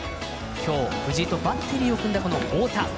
今日、藤井とバッテリーを組んだ太田。